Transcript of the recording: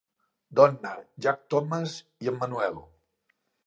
Donna, Jack Thomas i Emmanuel.